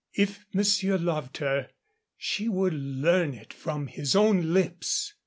If monsieur loved her she would learn it from his own lips.